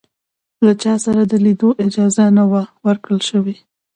له چا سره د لیدلو اجازه نه وه ورکړل شوې.